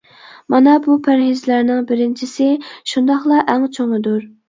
مانا بۇ پەرھىزلەرنىڭ بىرىنچىسى، شۇنداقلا ئەڭ چوڭىدۇر.